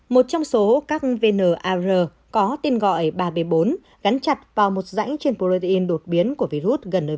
một trong số các vnr có tên gọi ba b bốn gắn chặt vào một rãnh trên protein đột biến của virus gần nơi